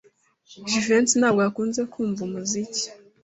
Jivency ntabwo akunze kumva umuziki.